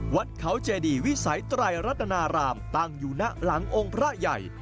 วัดเขาเจดีวิสัยไตรรัตนารามตั้งอยู่หน้าหลังองค์พระใหญ่